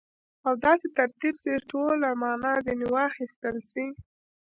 او داسي ترتیب سي، چي ټوله مانا ځني واخستل سي.